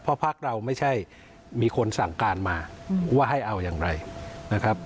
เพราะพักเราไม่ใช่มีคนสั่งการมาว่าให้เอาอย่างไรนะครับ